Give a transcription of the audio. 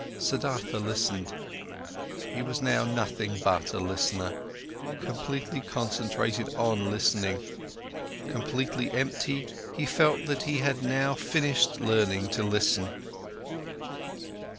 Siddhartha listened. He was now nothing but a listener, completely concentrated on listening, completely empty, he felt, that he had now finished learning to listen.